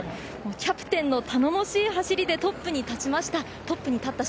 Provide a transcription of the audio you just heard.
キャプテンの頼もしい走りでトップに立ちました。